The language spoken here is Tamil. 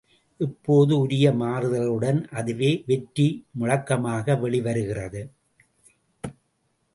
இப்போது உரிய மாறுதல்களுடன் அதுவே, வெற்றி முழக்க மாக வெளிவருகிறது.